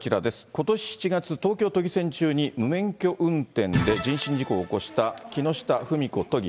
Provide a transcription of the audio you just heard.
ことし７月、東京都議選中に無免許運転で人身事故を起こした木下富美子都議。